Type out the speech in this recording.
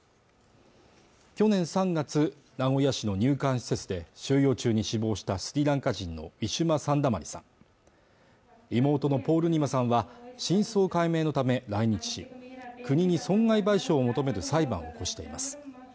去年３月名古屋市の入管施設で収容中に死亡したスリランカ人のウィシュマ・サンダマリさん妹のポールニマさんは真相解明のため来日国に損害賠償を求める裁判を起こしています